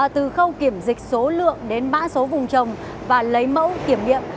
từ khâu kiểm dịch số lượng đến mã số vùng trồng và lấy mẫu kiểm niệm